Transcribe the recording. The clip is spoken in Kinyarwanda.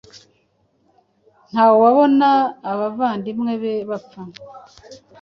ntawabona abavandimwe be bapfa